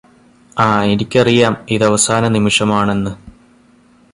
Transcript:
ആ എനിക്കറിയാം ഇതവസാന നിമിഷമാണെന്ന്